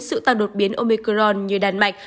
sự tăng đột biến ômicron như đan mạch